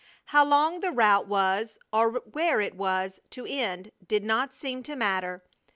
How long the route was or where it was to end did not seem to matter.